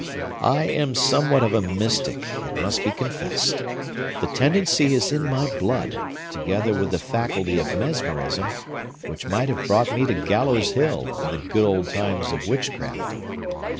"I am somewhat of a mystic, it must be confessed. The tendency is in my blood, together with the faculty of mesmerism, which might have brought me to Gallows Hill, in the good old times of witchcraft.